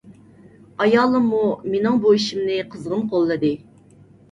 ئايالىممۇ مېنىڭ بۇ ئىشىمنى قىزغىن قوللىدى.